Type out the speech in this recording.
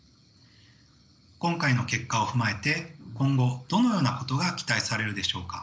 今回の結果を踏まえて今後どのようなことが期待されるでしょうか。